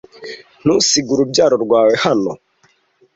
ntusige urubyaro rwawe hano